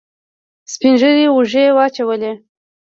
سپينږيري اوږې واچولې.